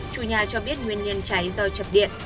chủ nhà cho biết nguyên nhân cháy do chập điện